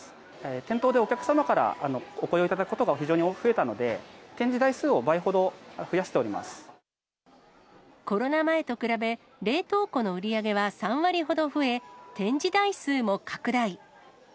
店頭でお客様からお声を頂くことが非常に増えたので、展示台数をコロナ前と比べ、冷凍庫の売り上げは３割ほど増え、展示台数も拡大。